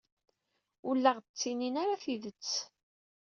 Ur la aɣ-d-ttinin ara tidet.